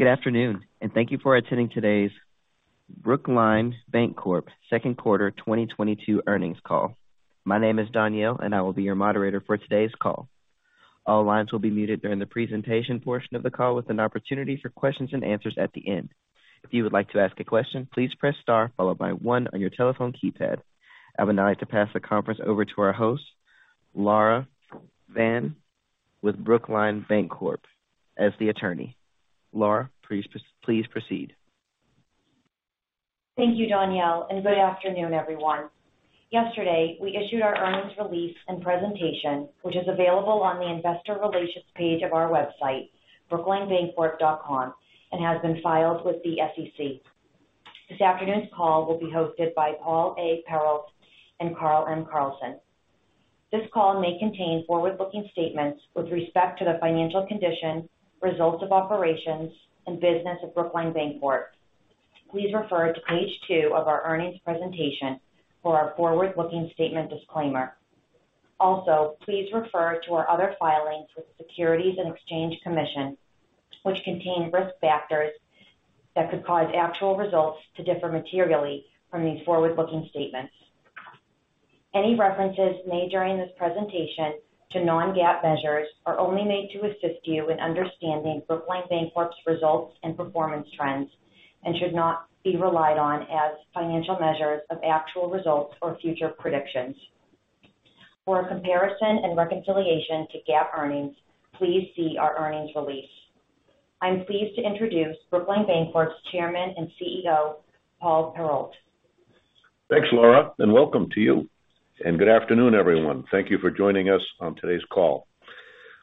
Good afternoon, and thank you for attending today's Brookline Bancorp second quarter 2022 earnings call. My name is Danielle, and I will be your moderator for today's call. All lines will be muted during the presentation portion of the call with an opportunity for questions and answers at the end. If you would like to ask a question, please press star followed by one on your telephone keypad. I would now like to pass the conference over to our host, Lauren Dutton with Brookline Bancorp. Lauren, please proceed. Thank you, Danielle, and good afternoon, everyone. Yesterday, we issued our earnings release and presentation, which is available on the investor relations page of our website, brooklinebancorp.com, and has been filed with the SEC. This afternoon's call will be hosted by Paul A. Perrault and Carl M. Carlson. This call may contain forward-looking statements with respect to the financial condition, results of operations, and business of Brookline Bancorp. Please refer to page two of our earnings presentation for our forward-looking statement disclaimer. Also, please refer to our other filings with the Securities and Exchange Commission, which contain risk factors that could cause actual results to differ materially from these forward-looking statements. Any references made during this presentation to non-GAAP measures are only made to assist you in understanding Brookline Bancorp's results and performance trends and should not be relied on as financial measures of actual results or future predictions. For a comparison and reconciliation to GAAP earnings, please see our earnings release. I'm pleased to introduce Brookline Bancorp's Chairman and CEO, Paul Perrault. Thanks, Laura, and welcome to you. Good afternoon, everyone. Thank you for joining us on today's call.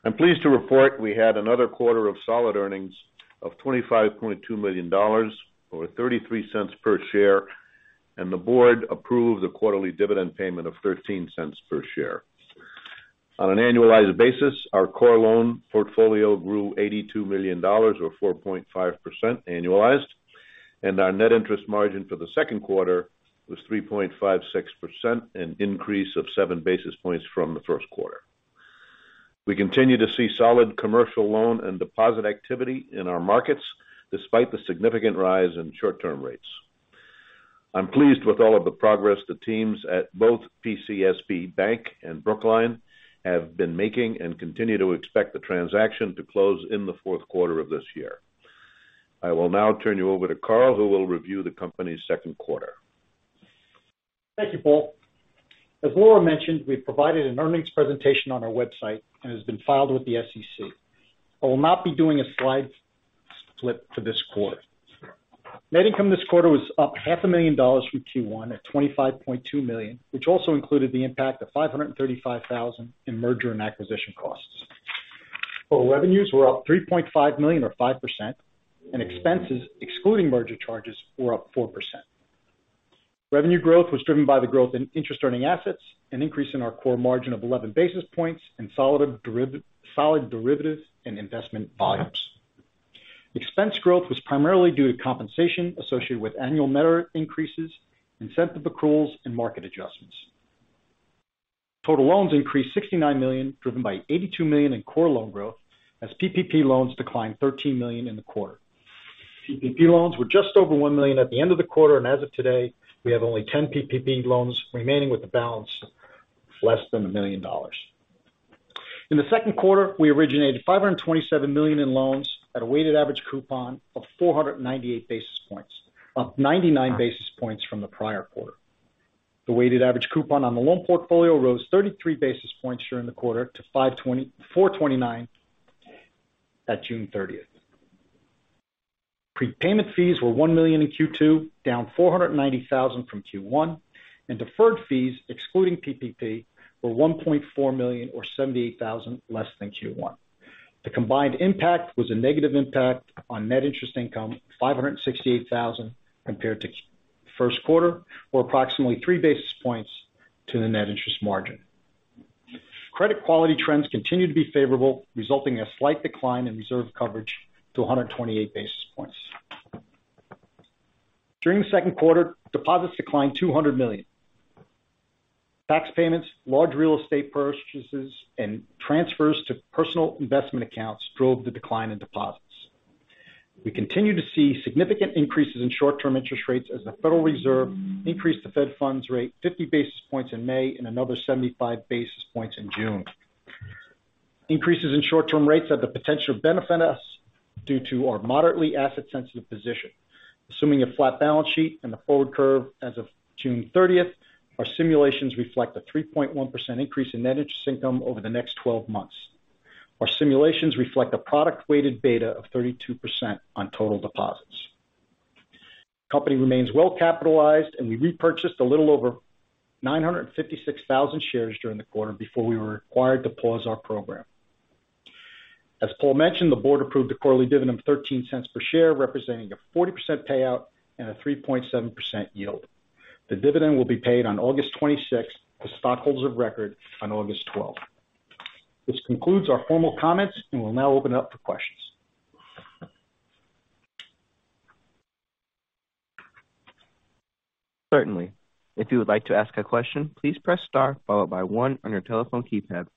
I'm pleased to report we had another quarter of solid earnings of $25.2 million or $0.33 per share, and the board approved a quarterly dividend payment of $0.13 per share. On an annualized basis, our core loan portfolio grew $82 million or 4.5% annualized, and our net interest margin for the second quarter was 3.56%, an increase of seven basis points from the first quarter. We continue to see solid commercial loan and deposit activity in our markets despite the significant rise in short-term rates. I'm pleased with all of the progress the teams at both PCSB Bank and Brookline have been making and continue to expect the transaction to close in the fourth quarter of this year. I will now turn you over to Carl, who will review the company's second quarter. Thank you, Paul. As Laura mentioned, we've provided an earnings presentation on our website and has been filed with the SEC. I will not be doing a slide flip for this quarter. Net income this quarter was up half a million dollars from Q1 at $25.2 million, which also included the impact of $535,000 in merger and acquisition costs. Total revenues were up $3.5 million or 5%, and expenses excluding merger charges were up 4%. Revenue growth was driven by the growth in interest earning assets, an increase in our core margin of 11 basis points and solid derivatives and investment volumes. Expense growth was primarily due to compensation associated with annual merit increases, incentive accruals, and market adjustments. Total loans increased $69 million, driven by $82 million in core loan growth as PPP loans declined $13 million in the quarter. PPP loans were just over $1 million at the end of the quarter, and as of today, we have only 10 PPP loans remaining with the balance less than $1 million. In the second quarter, we originated $527 million in loans at a weighted average coupon of 498 basis points, up 99 basis points from the prior quarter. The weighted average coupon on the loan portfolio rose 33 basis points during the quarter to 5.2429 at June 30th. Prepayment fees were $1 million in Q2, down $490,000 from Q1, and deferred fees excluding PPP were $1.4 million or $78,000 less than Q1. The combined impact was a negative impact on net interest income, $568,000 compared to first quarter, or approximately 3 basis points to the net interest margin. Credit quality trends continued to be favorable, resulting in a slight decline in reserve coverage to 128 basis points. During the second quarter, deposits declined $200 million. Tax payments, large real estate purchases, and transfers to personal investment accounts drove the decline in deposits. We continue to see significant increases in short-term interest rates as the Federal Reserve increased the Fed funds rate 50 basis points in May and another 75 basis points in June. Increases in short-term rates have the potential to benefit us due to our moderately asset-sensitive position. Assuming a flat balance sheet and the forward curve as of June 30th, our simulations reflect a 3.1% increase in net interest income over the next twelve months. Our simulations reflect a product-weighted beta of 32% on total deposits. Company remains well-capitalized, and we repurchased a little over 956,000 shares during the quarter before we were required to pause our program. As Paul mentioned, the board approved a quarterly dividend of $0.13 per share, representing a 40% payout and a 3.7% yield. The dividend will be paid on August 26 to stockholders of record on August 12. This concludes our formal comments, and we'll now open up for questions. Certainly. If you would like to ask a question, please press star followed by one on your telephone keypad.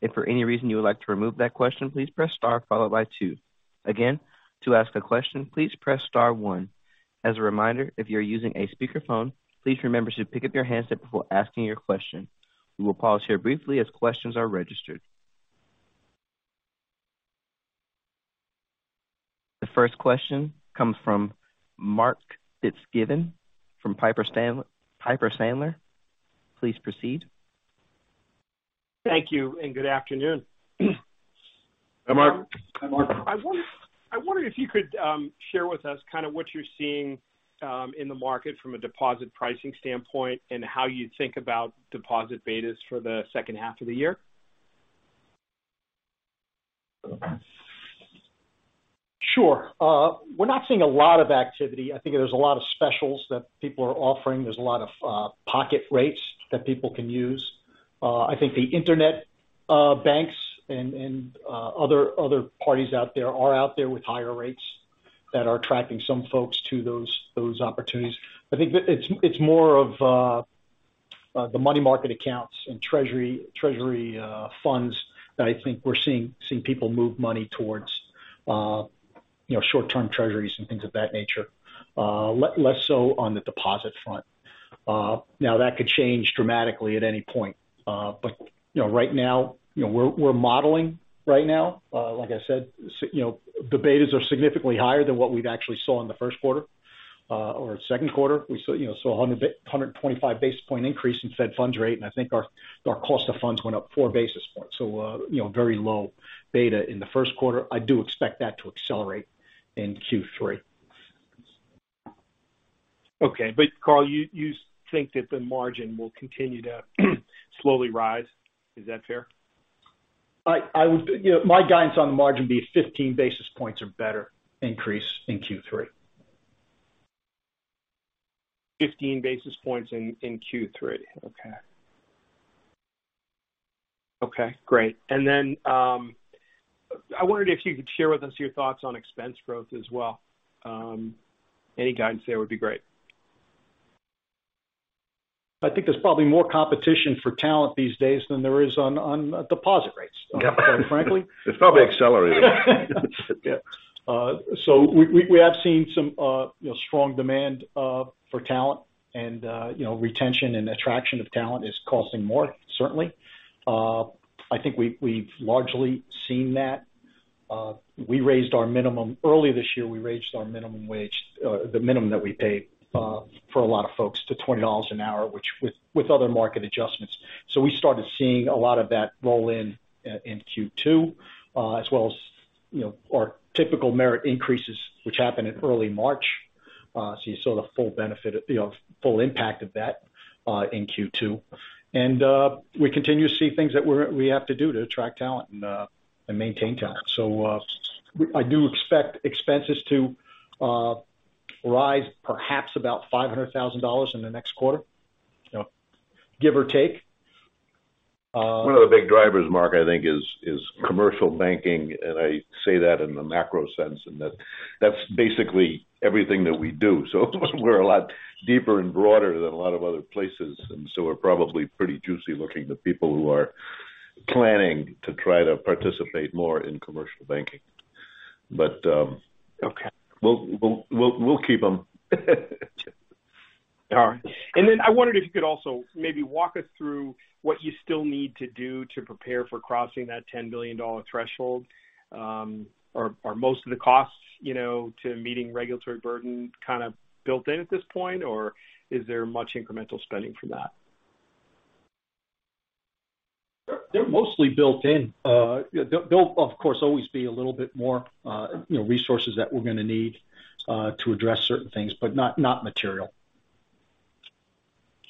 If for any reason you would like to remove that question, please press star followed by two. Again, to ask a question, please press star one. As a reminder, if you're using a speakerphone, please remember to pick up your handset before asking your question. We will pause here briefly as questions are registered. The first question comes from Mark Fitzgibbon from Piper Sandler. Please proceed. Thank you and good afternoon. Hi, Mark. I wonder if you could share with us kind of what you're seeing in the market from a deposit pricing standpoint and how you think about deposit betas for the second half of the year? Sure. We're not seeing a lot of activity. I think there's a lot of specials that people are offering. There's a lot of pocket rates that people can use. I think the Internet banks and other parties out there are out there with higher rates that are attracting some folks to those opportunities. I think it's more of the money market accounts and treasury funds that I think we're seeing people move money towards, you know, short-term treasuries and things of that nature. Less so on the deposit front. Now that could change dramatically at any point. You know, right now, you know, we're modeling right now. Like I said, you know, the betas are significantly higher than what we've actually saw in the first quarter, or second quarter. We saw, you know, a 125 basis point increase in Fed funds rate, and I think our cost of funds went up four basis points. You know, very low beta in the first quarter. I do expect that to accelerate in Q3. Okay. Carl, you think that the margin will continue to slowly rise. Is that fair? You know, my guidance on the margin would be 15 basis points or better increase in Q3. 15 basis points in Q3. Okay, great. I wondered if you could share with us your thoughts on expense growth as well. Any guidance there would be great. I think there's probably more competition for talent these days than there is on deposit rates, quite frankly. It's probably accelerated. Yeah, we have seen some, you know, strong demand for talent and, you know, retention and attraction of talent is costing more, certainly. I think we have largely seen that. Earlier this year, we raised our minimum wage, the minimum that we pay for a lot of folks to $20 an hour, which with other market adjustments. We started seeing a lot of that roll in in Q2, as well as, you know, our typical merit increases, which happened in early March. You saw the full benefit of, you know, full impact of that in Q2. We continue to see things that we have to do to attract talent and maintain talent. I do expect expenses to rise perhaps about $500,000 in the next quarter, you know, give or take. One of the big drivers, Mark, I think is commercial banking, and I say that in the macro sense, and that's basically everything that we do. We're a lot deeper and broader than a lot of other places, and so we're probably pretty juicy looking to people who are planning to try to participate more in commercial banking. Okay. We'll keep them. All right. I wondered if you could also maybe walk us through what you still need to do to prepare for crossing that $10 billion threshold. Are most of the costs, you know, to meeting regulatory burden kind of built in at this point, or is there much incremental spending for that? They're mostly built in. There'll of course always be a little bit more, you know, resources that we're gonna need to address certain things, but not material.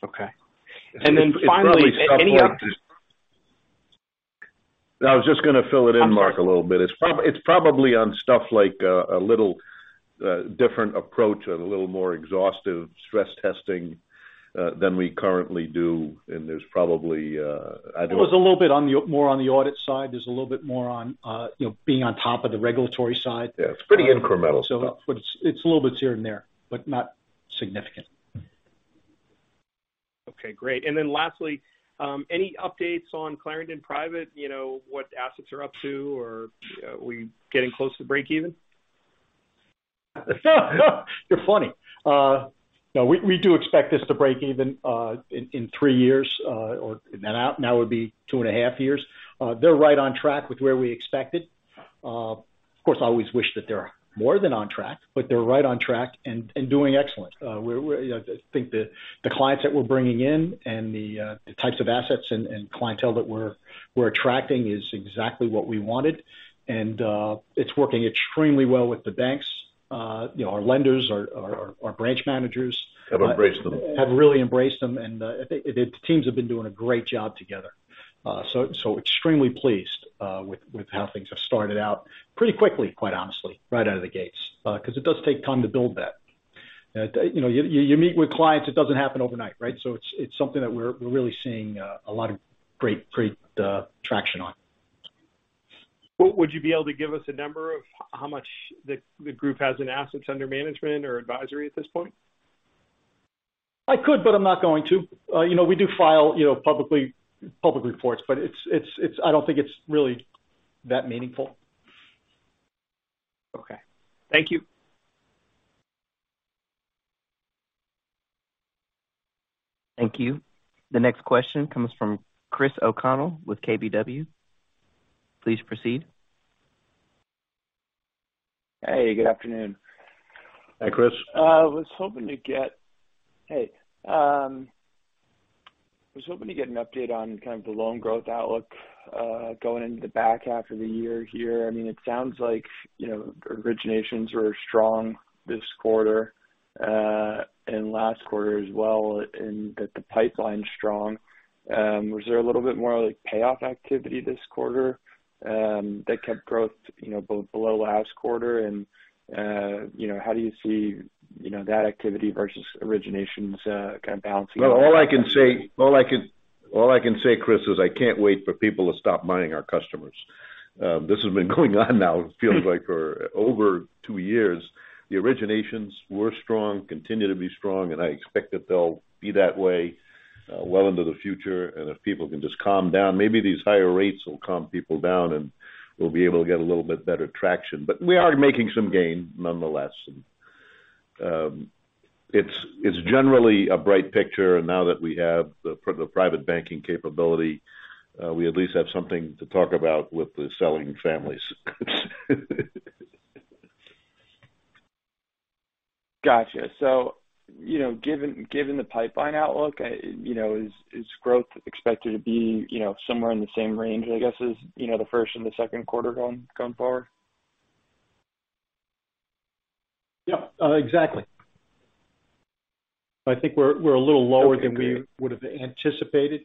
Okay. Finally, any up- I was just gonna fill it in, Mark, a little bit. It's probably on stuff like, a little, different approach and a little more exhaustive stress testing, than we currently do. There's probably I don't- Well, there's a little bit more on the audit side. There's a little bit more on, you know, being on top of the regulatory side. Yeah. It's pretty incremental stuff. It's a little bit here and there, but not significant. Okay, great. Lastly, any updates on Clarendon Private? You know, what assets are up to or are we getting close to breakeven? You're funny. No, we do expect this to break even in three years, or now it would be two and a half years. They're right on track with where we expected. Of course, I always wish that they're more than on track, but they're right on track and doing excellent. We're. I think the clients that we're bringing in and the types of assets and clientele that we're attracting is exactly what we wanted. It's working extremely well with the banks. You know, our lenders, our branch managers- Have embraced them. have really embraced them. The teams have been doing a great job together. So extremely pleased with how things have started out pretty quickly, quite honestly, right out of the gates. Because it does take time to build that. You know, you meet with clients, it doesn't happen overnight, right? It's something that we're really seeing a lot of great traction on. Would you be able to give us a number of how much the group has in assets under management or advisory at this point? I could, but I'm not going to. You know, we do file, you know, public reports, but I don't think it's really that meaningful. Okay. Thank you. Thank you. The next question comes from Chris O'Connell with KBW. Please proceed. Hey, good afternoon. Hi, Chris. Was hoping to get an update on kind of the loan growth outlook, going into the back half of the year here. I mean, it sounds like, you know, originations were strong this quarter, and last quarter as well, and that the pipeline's strong. Was there a little bit more, like, payoff activity this quarter, that kept growth, you know, below last quarter? You know, how do you see, you know, that activity versus originations, kind of balancing? Well, all I can say, Chris, is I can't wait for people to stop mining our customers. This has been going on now it feels like for over two years. The originations were strong, continue to be strong, and I expect that they'll be that way well into the future. If people can just calm down, maybe these higher rates will calm people down, and we'll be able to get a little bit better traction. We are making some gain nonetheless. It's generally a bright picture. Now that we have the private banking capability, we at least have something to talk about with the selling families. Gotcha. You know, given the pipeline outlook, you know, is growth expected to be, you know, somewhere in the same range, I guess, as, you know, the first and the second quarter going forward? Yeah. Exactly. I think we're a little lower. Okay. Great. Than we would have anticipated,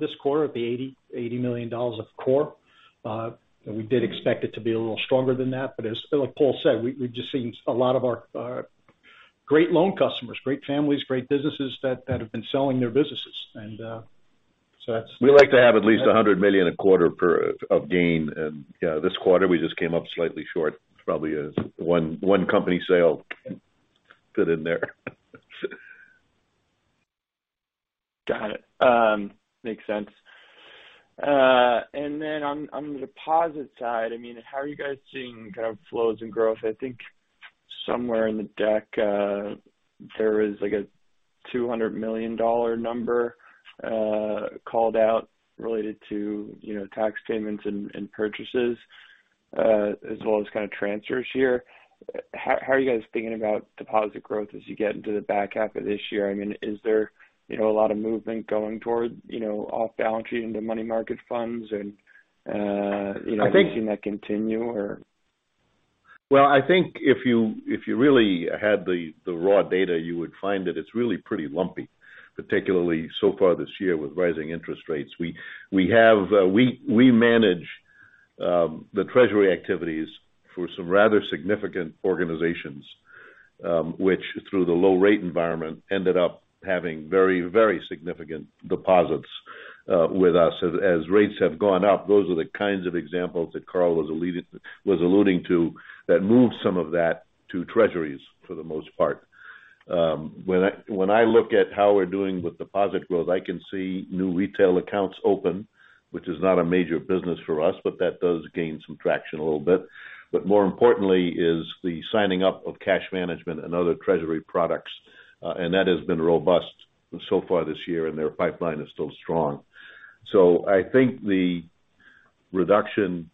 this quarter at the $80 million of core. We did expect it to be a little stronger than that. As, like Paul said, we've just seen a lot of our great loan customers, great families, great businesses that have been selling their businesses. We like to have at least $100 million a quarter of gain. You know, this quarter, we just came up slightly short. Probably a $101 million company sale fit in there. Got it. Makes sense. On the deposit side, I mean, how are you guys seeing kind of flows and growth? I think somewhere in the deck, there was, like a $200 million number, called out related to, you know, tax payments and purchases, as well as kind of transfers here. How are you guys thinking about deposit growth as you get into the back half of this year? I mean, is there, you know, a lot of movement going towards, you know, off-balance sheet into money market funds? You know- I think. -seeing that continue or... Well, I think if you really had the raw data, you would find that it's really pretty lumpy, particularly so far this year with rising interest rates. We manage the treasury activities for some rather significant organizations, which through the low rate environment ended up having very significant deposits with us. As rates have gone up, those are the kinds of examples that Carl was alluding to that moved some of that to treasuries for the most part. When I look at how we're doing with deposit growth, I can see new retail accounts open, which is not a major business for us, but that does gain some traction a little bit. More importantly is the signing up of cash management and other treasury products. That has been robust so far this year, and their pipeline is still strong. I think the reduction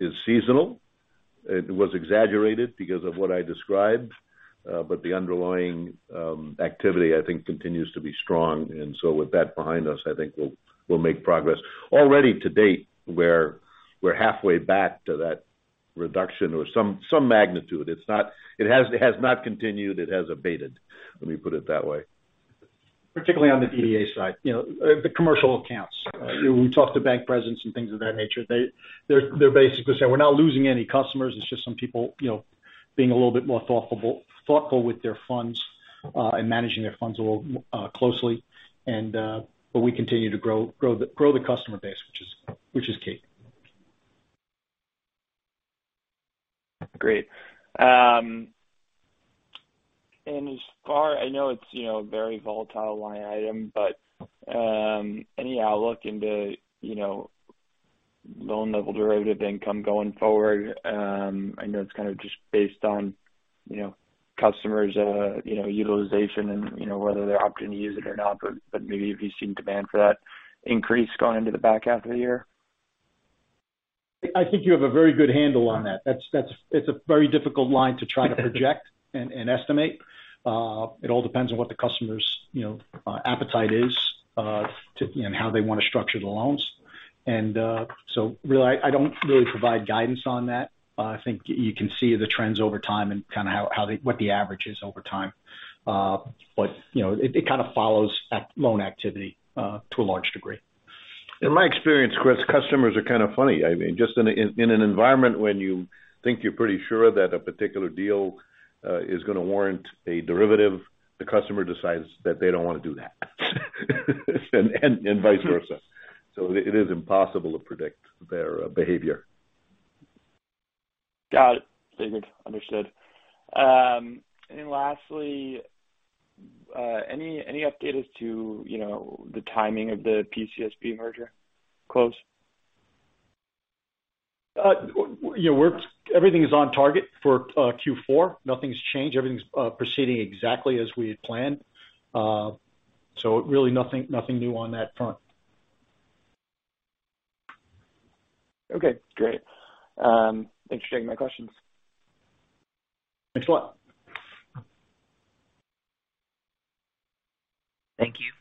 is seasonal. It was exaggerated because of what I described. The underlying activity, I think continues to be strong. With that behind us, I think we'll make progress. Already to date, we're halfway back to that reduction or some magnitude. It has not continued. It has abated, let me put it that way. Particularly on the DDA side. You know, the commercial accounts. We talked to bank presidents and things of that nature. They're basically saying, "We're not losing any customers. It's just some people, you know, being a little bit more thoughtful with their funds and managing their funds a little closely." We continue to grow the customer base, which is key. Great. As far as I know it's, you know, a very volatile line item, but any outlook into, you know, loan level derivative income going forward? I know it's kind of just based on, you know, customers', you know, utilization and, you know, whether they're opting to use it or not. Maybe if you've seen demand for that increase going into the back half of the year. I think you have a very good handle on that. It's a very difficult line to try to project and estimate. It all depends on what the customer's, you know, appetite is, and how they wanna structure the loans. Really, I don't really provide guidance on that. I think you can see the trends over time and kinda what the average is over time. You know, it kind of follows loan activity to a large degree. In my experience, Chris, customers are kind of funny. I mean, just in an environment when you think you're pretty sure that a particular deal is gonna warrant a derivative, the customer decides that they don't wanna do that. Vice versa. It is impossible to predict their behavior. Got it. Figured. Understood. Lastly, any update as to, you know, the timing of the PCSB merger close? Everything is on target for Q4. Nothing's changed. Everything's proceeding exactly as we had planned. Really nothing new on that front. Okay, great. Thanks for taking my questions. Thanks a lot. Thank you.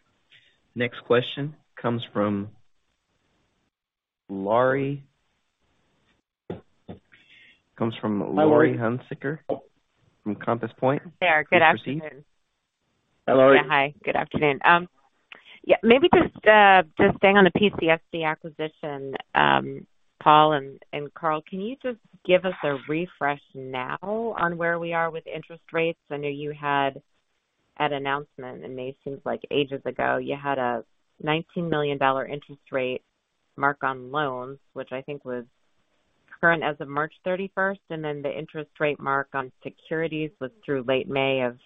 Next question comes from Laurie Hunsicker from Compass Point. There. Good afternoon. Hi, Laurie. Hi, good afternoon. Yeah, maybe just staying on the PCSB acquisition, Paul and Carl, can you just give us a refresh now on where we are with interest rates? I know you had an announcement in May, seems like ages ago. You had a $19 million interest rate mark on loans, which I think was current as of March 31st, and then the interest rate mark on securities was through late May of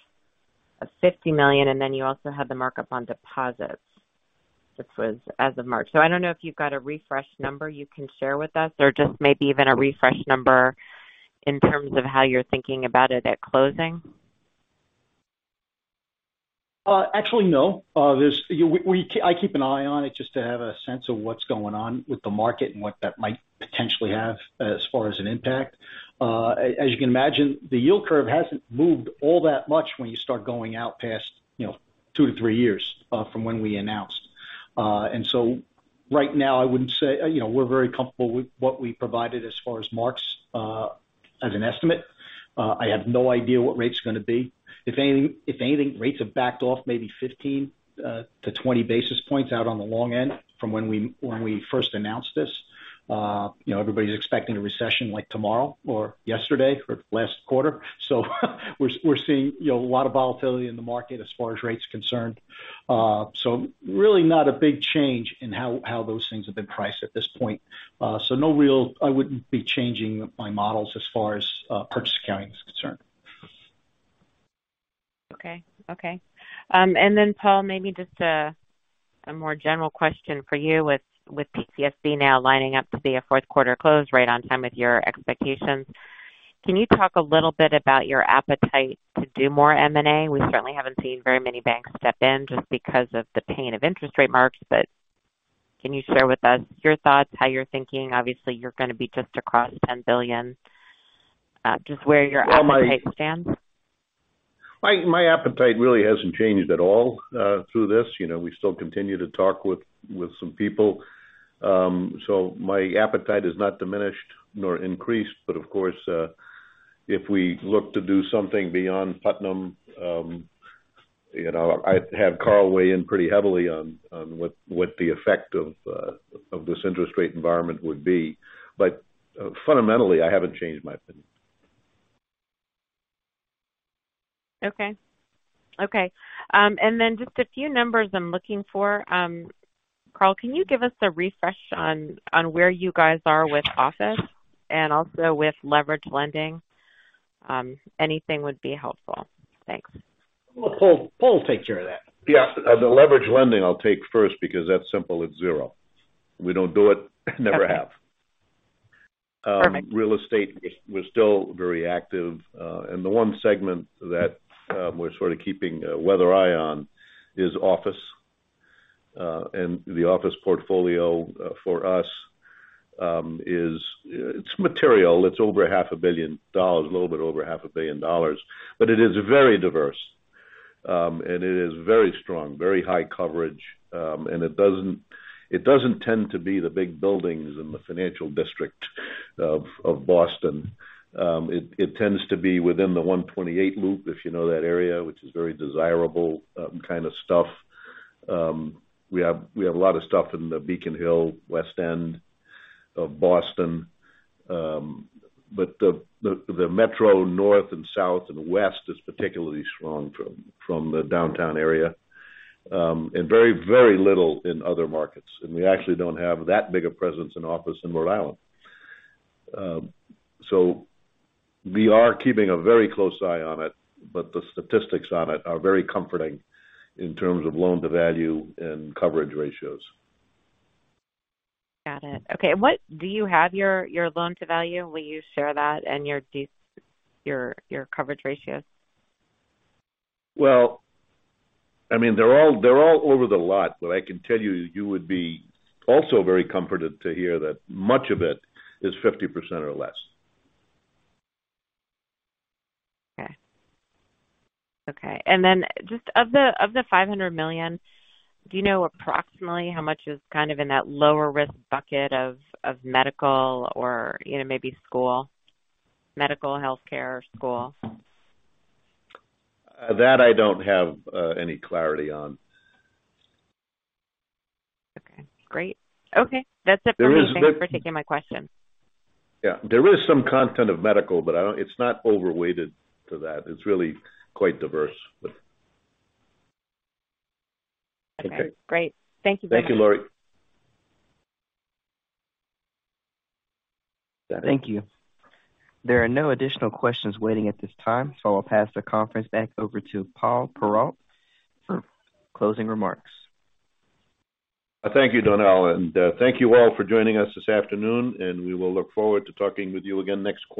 $50 million, and then you also had the markup on deposits, which was as of March. I don't know if you've got a refreshed number you can share with us or just maybe even a refreshed number in terms of how you're thinking about it at closing. Actually, no. I keep an eye on it just to have a sense of what's going on with the market and what that might potentially have as far as an impact. As you can imagine, the yield curve hasn't moved all that much when you start going out past, you know, two to three years, from when we announced. Right now, I wouldn't say. You know, we're very comfortable with what we provided as far as marks, as an estimate. I have no idea what rate's gonna be. If anything, rates have backed off maybe 15-20 basis points out on the long end from when we first announced this. You know, everybody's expecting a recession like tomorrow or yesterday or last quarter. We're seeing, you know, a lot of volatility in the market as far as rates concerned. Really not a big change in how those things have been priced at this point. I wouldn't be changing my models as far as purchase accounting is concerned. Paul, maybe just a more general question for you with PCSB now lining up to be a fourth quarter close right on time with your expectations. Can you talk a little bit about your appetite to do more M&A? We certainly haven't seen very many banks step in just because of the pain of interest rate marks. Can you share with us your thoughts, how you're thinking? Obviously, you're gonna be just across $10 billion. Just where your appetite stands. My appetite really hasn't changed at all through this. You know, we still continue to talk with some people. My appetite is not diminished nor increased. Of course, if we look to do something beyond Putnam, you know, I'd have Carl weigh in pretty heavily on what the effect of this interest rate environment would be. Fundamentally, I haven't changed my opinion. Okay. Just a few numbers I'm looking for. Carl, can you give us a refresh on where you guys are with office and also with leverage lending? Anything would be helpful. Thanks. Paul will take care of that. Yeah. The leverage lending I'll take first because that's simple, it's zero. We don't do it, never have. Perfect. Real estate, we're still very active. The one segment that we're sort of keeping a weather eye on is office. The office portfolio for us it's material. It's over half a billion dollars. A little bit over half a billion dollars. But it is very diverse, and it is very strong. Very high coverage. It doesn't tend to be the big buildings in the financial district of Boston. It tends to be within the 128 loop, if you know that area, which is very desirable kind of stuff. We have a lot of stuff in the Beacon Hill, West End of Boston. The Metro North and South and West is particularly strong from the downtown area, and very little in other markets. We actually don't have that big a presence in office in Rhode Island. We are keeping a very close eye on it, but the statistics on it are very comforting in terms of loan-to-value and coverage ratios. Got it. Okay. What do you have your loan-to-value? Will you share that and your coverage ratios? Well, I mean, they're all over the lot. What I can tell you would be also very comforted to hear that much of it is 50% or less. Just of the $500 million, do you know approximately how much is kind of in that lower risk bucket of medical healthcare or school? That I don't have any clarity on. Okay, great. Okay. That's it for me. There is- Thank you for taking my questions. Yeah. There is some content of medical, but it's not overweighted to that. It's really quite diverse. Okay, great. Thank you. Thank you, Laurie. Thank you. There are no additional questions waiting at this time, so I'll pass the conference back over to Paul Perrault for closing remarks. Thank you, Danell, and thank you all for joining us this afternoon, and we will look forward to talking with you again next quarter.